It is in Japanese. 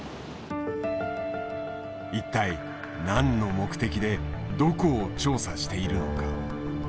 一体何の目的でどこを調査しているのか？